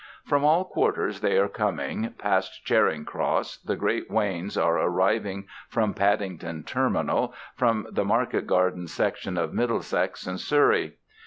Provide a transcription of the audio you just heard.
From all quarters they are coming, past Charing Cross the great wains are arriving from Paddington Terminal, from the market garden section of Middlesex and Surrey.